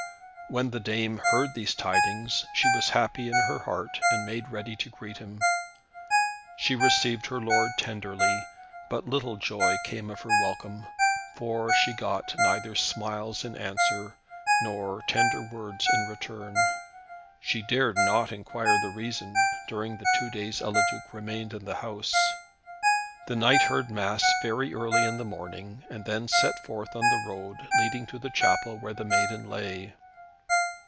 When the dame heard these tidings, she was happy in her heart, and made ready to greet him. She received her lord tenderly; but little joy came of her welcome, for she got neither smiles in answer, nor tender words in return. She dared not inquire the reason, during the two days Eliduc remained in the house. The knight heard Mass very early in the morning, and then set forth on the road leading to the chapel where the maiden lay.